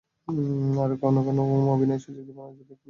আরো কখনো অভিনয়ের সুযোগ দিব না, যদি এক্ষুণি এখান থেকে না যাও।